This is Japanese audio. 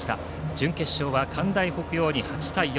準決勝は関大北陽に８対４。